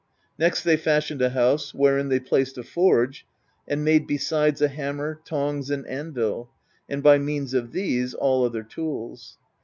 Next they fashioned a house, wherein they placed a forge, and made besides a hammer, tongs, and anvil, and by means of these, all other tools.